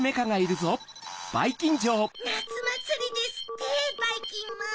なつまつりですってばいきんまん！